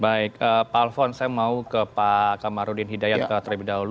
baik pak alfon saya mau ke pak kamarudin hidayat terlebih dahulu